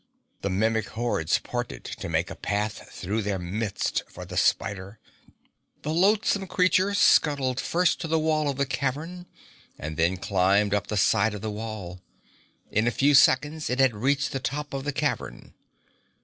The Mimic hordes parted to make a path through their midst for the spider. The loathsome creature scuttled first to the wall of the cavern, and then climbed up the side of the wall. In a few seconds it had reached the top of the cavern.